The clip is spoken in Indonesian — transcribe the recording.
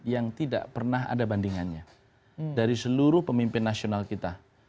yang tidak pernah ada bandingannya dari seluruh pemimpin nasional kita